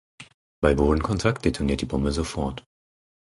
Bei Bodenkontakt detoniert die Bombe sofort.